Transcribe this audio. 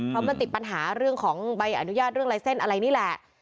เพราะมันติดปัญหาเรื่องของใบอนุญาตเรื่องลายเส้นอะไรนี่แหละ